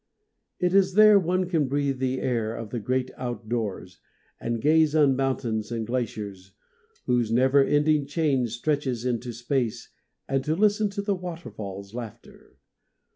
It is there one can breathe the air of the Great Out Doors and gaze on mountains and glaciers whose never ending chain stretches into space and to listen to the waterfall's laughter.